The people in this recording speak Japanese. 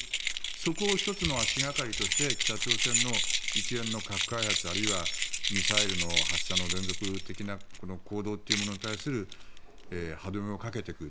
そこを１つの足掛かりとして北朝鮮の一連の核開発あるいはミサイルの発射の連続的なこの行動というものに対する歯止めをかけていく。